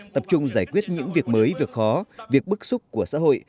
tập trung giải quyết những việc mới việc khó việc bức xúc của xã hội